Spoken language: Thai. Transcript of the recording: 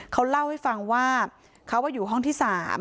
เขาเล่าให้ฟังว่าเขาอยู่ห้องที่๓